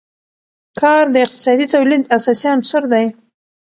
کار د اقتصادي تولید اساسي عنصر دی.